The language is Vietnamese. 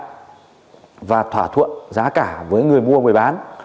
để liên lạc với các bị hạ và thỏa thuận giá cả với người mua người bán